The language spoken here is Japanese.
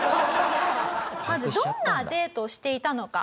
まずどんなデートをしていたのか。